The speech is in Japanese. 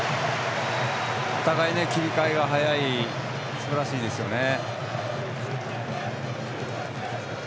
お互い切り替えが早くすばらしいですよね。